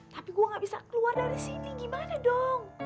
tapi gue gak bisa keluar dari sini gimana dong